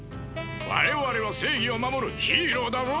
我々は正義を守るヒーローだぞ！